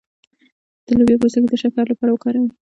د لوبیا پوستکی د شکر لپاره وکاروئ